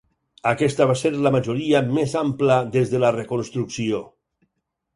Aquesta va ser la majoria més ampla des de la Reconstrucció.